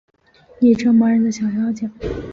你这磨人的小妖精